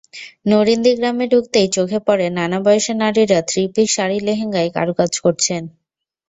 নরিন্দী গ্রামে ঢুকতেই চোখে পড়ে নানা বয়সের নারীরা থ্রিপিস, শাড়ি, লেহেঙ্গায় কারুকাজ করছেন।